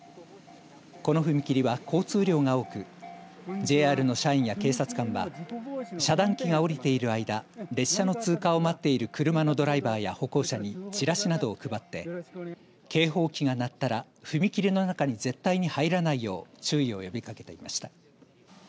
この踏切は、交通量が多くＪＲの社員や警察官は遮断機が下りている間列車の通過を待っている車のドライバーや歩行者にチラシなどを配って警報機が鳴ったら踏切の中に絶対に入らないよう注意を呼びかけていました。